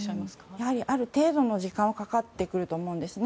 やはりある程度の時間はかかってくると思うんですね。